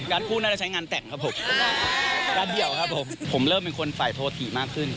คู่น่าจะใช้งานแต่งครับผมการเดี่ยวครับผมผมเริ่มเป็นคนฝ่ายโทษถีมากขึ้น